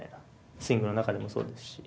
スイングの中でもそうですし。